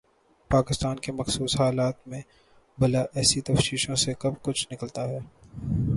پاکستان کے مخصوص حالات میں بھلا ایسی تفتیشوں سے کب کچھ نکلتا ہے؟